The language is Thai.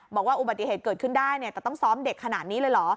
บอกว่าอุบัติเหตุเกิดขึ้นได้เนี่ยแต่ต้องซ้อมเด็กขนาดนี้เลยเหรอ